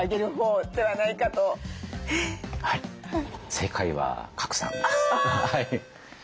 正解は賀来さんです。